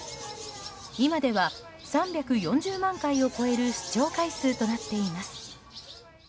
今では３４０万回を超える視聴回数となっています。